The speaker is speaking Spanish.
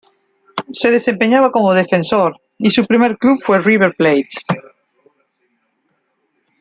Se desempeñaba como defensor y su primer club fue River Plate.